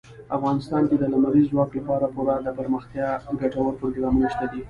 افغانستان کې د لمریز ځواک لپاره پوره دپرمختیا ګټور پروګرامونه شته دي.